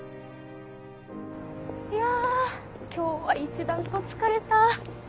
いや今日は一段と疲れた。